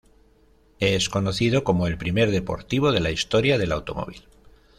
Es conocido como el primer deportivo de la historia del automóvil.